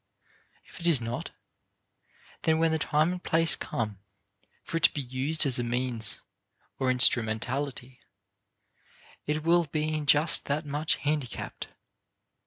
If it is not, then when the time and place come for it to be used as a means or instrumentality, it will be in just that much handicapped.